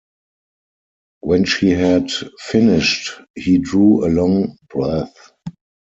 When she had finished he drew a long breath.